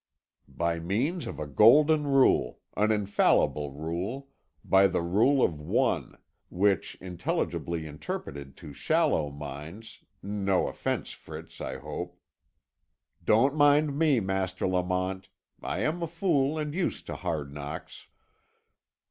"By means of a golden rule, an infallible rule, by the Rule of One which, intelligibly interpreted to shallow minds no offence, Fritz, I hope " "Don't mind me, Master Lamont; I am a fool and used to hard knocks."